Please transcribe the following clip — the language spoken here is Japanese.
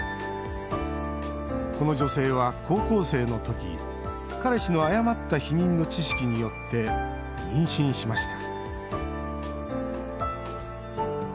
この女性は高校生のとき彼氏の誤った避妊の知識によって妊娠しました